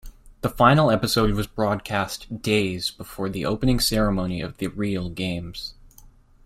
The final episode was broadcast days before the opening ceremony of the real Games.